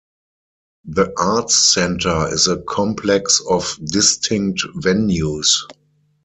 The Arts Centre is a complex of distinct venues.